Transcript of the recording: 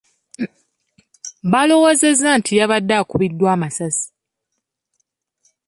Baalowoozezza nti yabadde akubiddwa amasasi.